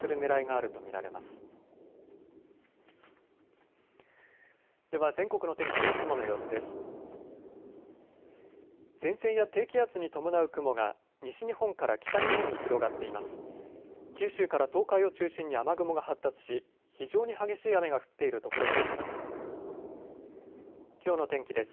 九州から東海を中心に雨雲が発達し、非常に激しい雨が降っている所があります。